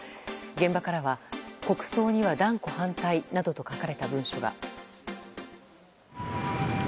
現場からは「国葬には断固反対」などと書かれた文書が。